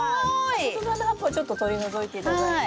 外側の葉っぱをちょっと取り除いて頂いて。